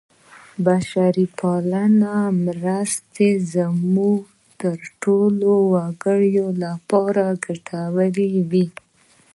بشرپالې مرستې زموږ د ټولو وګړو لپاره ګټورې وې.